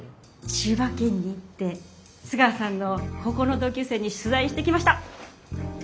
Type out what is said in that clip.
千葉県に行って須川さんの高校の同級生に取材してきました。